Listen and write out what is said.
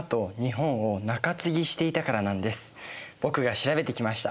僕が調べてきました。